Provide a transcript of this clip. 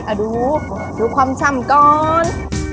เอาดูดูความช่ำก่อน